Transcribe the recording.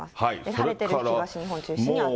晴れてる東日本中心に暑い。